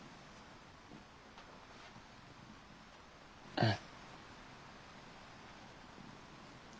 うん。